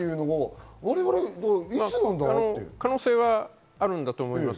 可能性があるんだと思います。